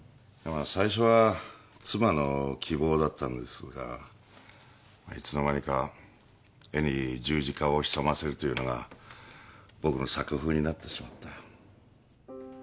最初は妻の希望だったんですがいつの間にか絵に十字架を潜ませるというのが僕の作風になってしまった。